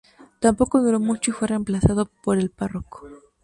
Tampoco duró mucho y fue reemplazado por el Pbro.